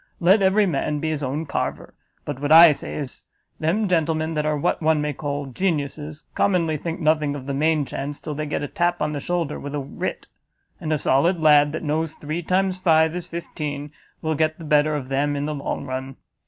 Let every man be his own carver; but what I say is, them gentlemen that are what one may call geniuses, commonly think nothing of the main chance, till they get a tap on the shoulder with a writ; and a solid lad, that knows three times five is fifteen, will get the better of them in the long run.